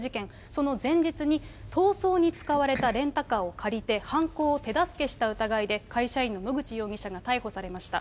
その前日に、逃走に使われたレンタカーを借りて、犯行を手助けした疑いで、会社員の野口容疑者が逮捕されました。